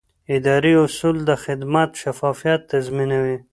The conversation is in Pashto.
اداري اصول د خدمت شفافیت تضمینوي.